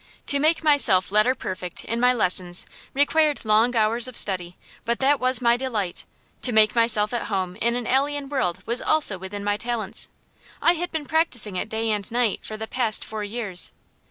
To make myself letter perfect in my lessons required long hours of study, but that was my delight. To make myself at home in an alien world was also within my talents; I had been practising it day and night for the past four years.